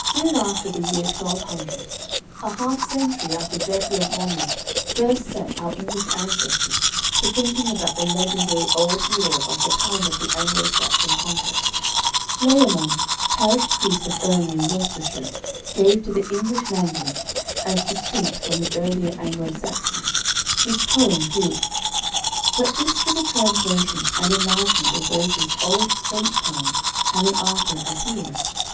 Soon after the year twelve hundred, a half century after Geoffrey of Monmouth first set our English ancestors to thinking about the legendary old hero of the times of the Anglo Saxon conquest Layamon, parish priest of Ernly, in Worcestershire, gave to the English language (as distinct from the earlier Anglo Saxon) his poem "Brut." This was a translation and enlargement of Wace's old French poem having Arthur as hero.